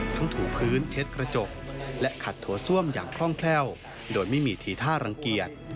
ถูพื้นเช็ดกระจกและขัดถั่วซ่วมอย่างคล่องแคล่วโดยไม่มีทีท่ารังเกียจ